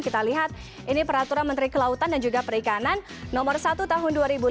kita lihat ini peraturan menteri kelautan dan juga perikanan nomor satu tahun dua ribu lima belas